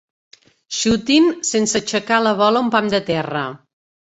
Xutin sense aixecar la bola un pam de terra.